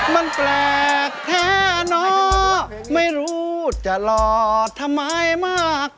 มันแปลกแท้เนาะไม่รู้จะหล่อทำไมมาก